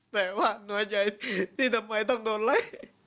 แต่ว่าหน่วยใจที่ทำไมต้องร้อย